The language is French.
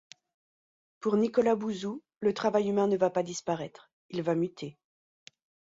Pour Nicolas Bouzou, le travail humain ne va pas disparaître, il va muter.